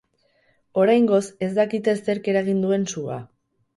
Oraingoz, ez dakite zerk eragin duen sua.